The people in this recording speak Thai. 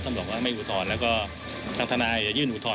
ท่านบอกว่าไม่อุทธรรมแล้วก็ทางธนาอย่ายื่นอุทธรรม